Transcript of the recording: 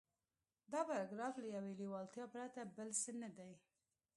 دا پاراګراف له يوې لېوالتیا پرته بل څه نه دی.